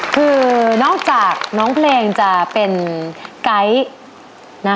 คือนอกจากน้องเพลงจะเป็นไก๊